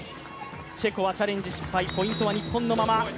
チェコはチャレンジ失敗、ポイントは日本のま。